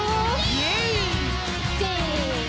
イエイ！せの！